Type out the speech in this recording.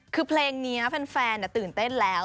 คือเพลงนี้แฟนตื่นเต้นแล้ว